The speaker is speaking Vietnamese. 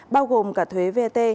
bao gồm cả thuế vat